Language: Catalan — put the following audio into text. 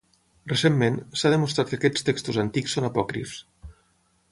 Recentment, s'ha demostrat que aquests textos antics són apòcrifs.